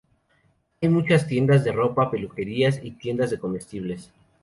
Hay muchas tiendas de ropa, peluquerías y tiendas de comestibles.